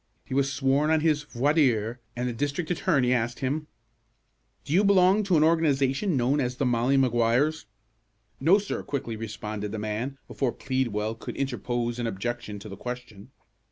He was sworn on his voir dire, and the district attorney asked him, "Do you belong to an organization known as the Molly Maguires?" "No, sir!" quickly responded the man, before Pleadwell could interpose an objection to the question.